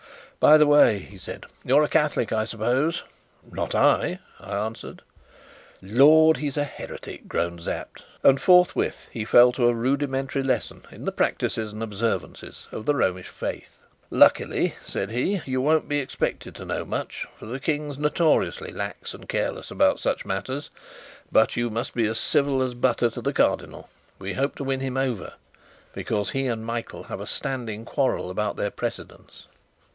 "By the way," he said, "you're a Catholic, I suppose?" "Not I," I answered. "Lord, he's a heretic!" groaned Sapt, and forthwith he fell to a rudimentary lesson in the practices and observances of the Romish faith. "Luckily," said he, "you won't be expected to know much, for the King's notoriously lax and careless about such matters. But you must be as civil as butter to the Cardinal. We hope to win him over, because he and Michael have a standing quarrel about their precedence."